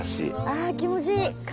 あ気持ちいい風。